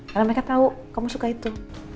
karena mereka tahu kamu suka itu